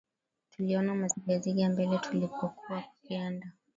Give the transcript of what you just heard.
Tuliona mazigaziga mbele tulipokuwa tukienda